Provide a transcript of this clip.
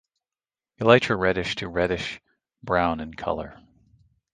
Elytra reddish to reddish brown in color.